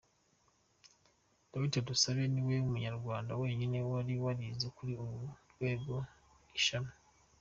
Dr Dusabe niwe munyarwanda wenyine wari warize kuri uru rwego iri shami.